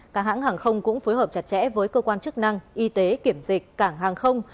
các hãng hàng không cũng phối hợp chặt chẽ với cơ quan chức năng y tế kiểm dịch cảng hàng không